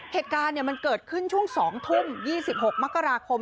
เหตุการณ์มันเกิดขึ้นช่วง๒ทุ่ม๒๖มกราคม